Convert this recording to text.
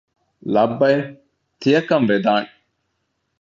ލައްބައެވެ! ތިޔަކަން ވެދާނެ